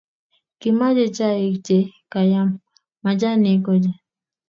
Kimache chaik che kayam majanik ochei